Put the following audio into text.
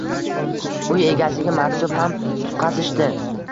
Uy egasiga maktub ham tutqazishdi